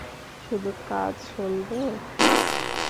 শুধু কাজ চলবে।